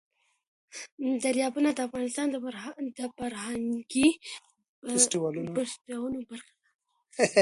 دریابونه د افغانستان د فرهنګي فستیوالونو برخه ده.